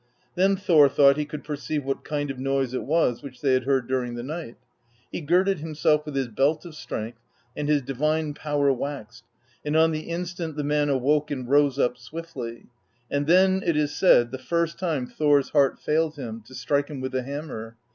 Then Thor thought he could perceive what kind of noise it was which they had heard during the night. He girded himself with his belt of strength, and his divine power waxed; and on the instant the man awoke and rose up swiftly; and then, it is said, the first time Thor's heart failed him, to strike him with the hammer.